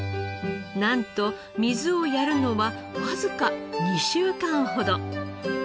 なんと水をやるのはわずか２週間ほど。